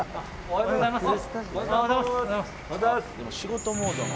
おはようございます。